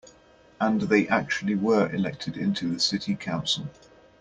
And they actually were elected into the city council.